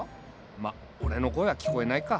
まっ俺の声は聞こえないか。